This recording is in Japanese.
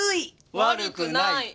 悪くない！